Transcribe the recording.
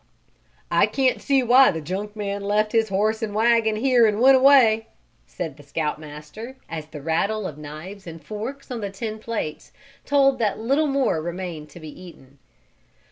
"I can't see why the junk man left his horse and wagon here and went away," said the Scout Master, as the rattle of knives and forks on the tin plates told that little more remained to be eaten.